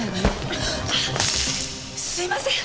あすいません！